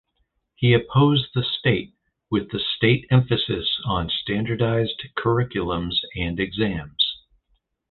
He opposed the state with the state emphasis on standardised curriculums and exams.